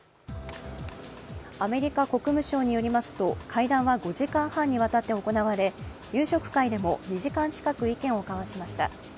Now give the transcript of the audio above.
アメリカ国務省によりますと会談は５時間半にわたって行われ、夕食会でも２時間近く意見を交わしました。